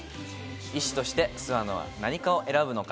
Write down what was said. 医師として諏訪野は何科を選ぶのか？